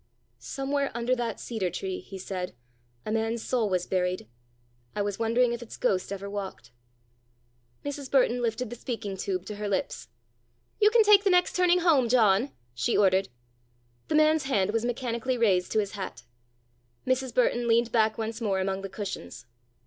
"Somewhere under that cedar tree," he said, "a man's soul was buried. I was wondering if its ghost ever walked!" Mrs. Burton lifted the speaking tube to her lips. "You can take the next turning home, John," she ordered. The man's hand was mechanically raised to his hat. Mrs. Burton leaned back once more among the cushions.